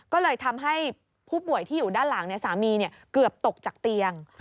ก็เลยทำให้ผู้ป่วยที่อยู่ด้านหลังสามีเกือบตกจากเตียง